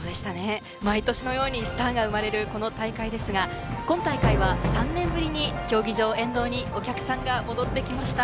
毎年のようにスターが生まれる、この大会ですが今大会は３年ぶりに競技場、沿道にお客さんが戻ってきました。